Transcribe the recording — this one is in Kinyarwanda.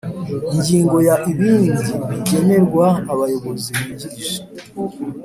Ingingo ya Ibindi bigenerwa Abayobozi Bungirije